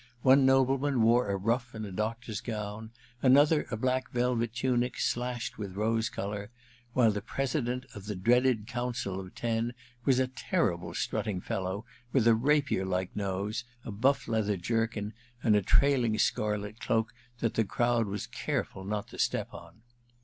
One nobleman wore a ruff and doctor's gown, another a black velvet tunic slashed with rose colour ; while the President of the dreaded Council of Ten was a terrible strutting fellow with a rapier like nose, a buff leather jerkin and a trailing scarlet cloak that the crowd was careful not to step on.